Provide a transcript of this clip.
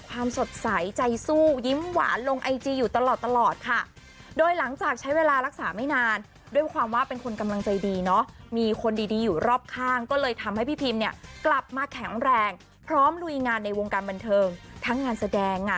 สดใสใจสู้ยิ้มหวานลงไอจีอยู่ตลอดตลอดค่ะโดยหลังจากใช้เวลารักษาไม่นานด้วยความว่าเป็นคนกำลังใจดีเนาะมีคนดีดีอยู่รอบข้างก็เลยทำให้พี่พิมเนี่ยกลับมาแข็งแรงพร้อมลุยงานในวงการบันเทิงทั้งงานแสดงอ่ะ